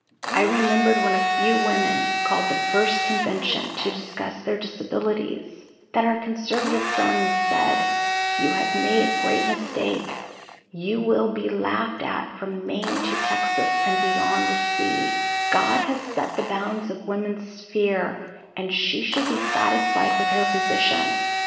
I remembered when a few women called the first convention to discuss their disabilities, that our conservative friends said: "You have made a great mistake, you will be laughed at from Maine to Texas and beyond the sea; God has set the bounds of woman's sphere and she should be satisfied with her position."